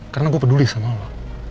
karena gue peduli sama lo